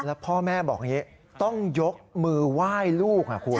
แล้วพ่อแม่บอกอย่างนี้ต้องยกมือไหว้ลูก